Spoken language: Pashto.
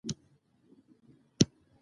وحشي سپي په ډله ګرځي.